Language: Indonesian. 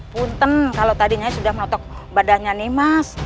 punten kalau tadi nyai sudah menotok badannya nimas